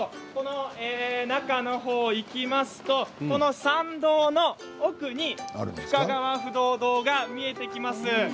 中のほうに行きますと参道の奥に深川不動堂が見えてきます。